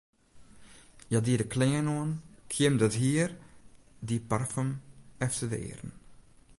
Hja die de klean oan, kjimde it hier, die parfum efter de earen.